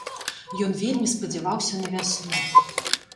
Ён вельмі спадзяваўся на вясну.